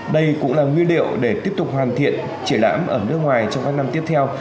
đây cũng là nguyên liệu để tiếp tục hoàn thiện triển lãm ở nước ngoài trong các năm tiếp theo